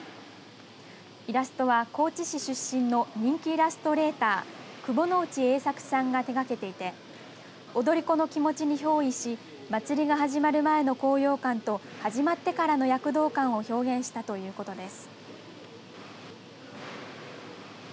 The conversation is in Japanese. イラストは高知市出身の人気イラストレーター窪之内英策さんが手がけていて踊り子の気持ちにひょう依し祭りが始まる前の高揚感と始まってからの躍動感を表現したということです。